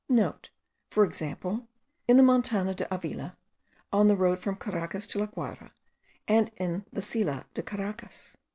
*(* For example, in the Montana de Avila, on the road from Caracas to La Guayra, and in the Silla de Caracas.